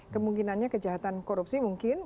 kemungkinannya kejahatan korupsi mungkin